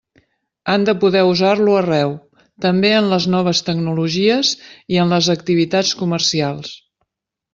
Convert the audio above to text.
Han de poder usar-lo arreu, també en les noves tecnologies i en les activitats comercials.